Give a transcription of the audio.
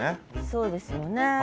そうですよね。